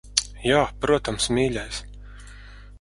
Jā, protams, mīļais.